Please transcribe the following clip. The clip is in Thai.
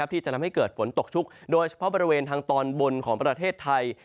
ที่จะทำให้เกิดฝนตกชุกโดยเฉพาะบริเวณทางตอนบนของประเทศไทย